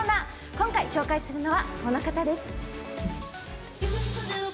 今回、紹介するのは、この方です。